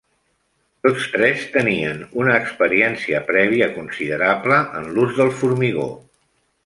Tots tres tenien una experiència prèvia considerable en l'ús del formigó.